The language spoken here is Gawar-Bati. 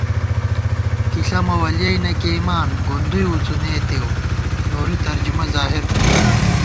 کِی ݪَمہ ولیَئی نہ کېئیمان ، گُندُوئی وڅُنېتېؤ نوری، ترجمہ ظاہر تھنہ